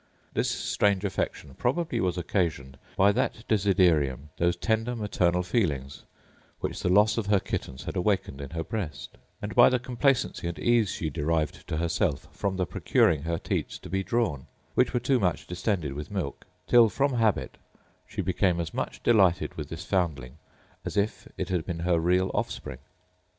This strange affection probably was occasioned by that desiderium, those tender maternal feelings, which the loss of her kittens had awakened in her breast; and by the complacency and ease she derived to herself from the procuring her teats to be drawn, which were too much distended with milk, till, from habit, she became as much delighted with this foundling as if it had been her real offspring.